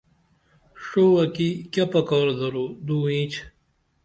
ڜوہ کی کیہ پکار درو دو اینچ